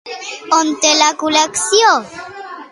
On té la col·lecció?